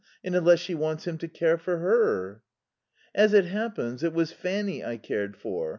And unless she wants him to care for her." "As it happens, it was Fanny I cared for.